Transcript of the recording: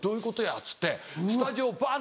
っつってスタジオバン！